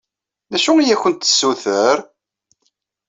D acu i akent-d-tessuter?